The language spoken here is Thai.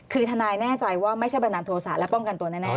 คือทนายแน่ใจว่าไม่ใช่บันดาลโทษะและป้องกันตัวแน่